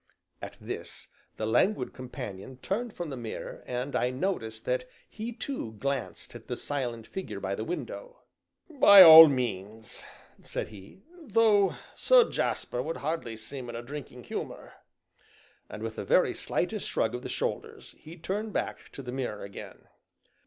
At this, his languid companion turned from the mirror, and I noticed that he, too, glanced at the silent figure by the window. "By all means," said he, "though Sir Jasper would hardly seem in a drinking humor," and, with the very slightest shrug of the shoulders, he turned back to the mirror again.